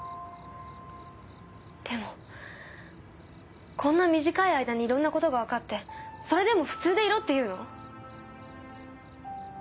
でもこんな短い間にいろんなことがわかってそれでも普通でいろっていうの？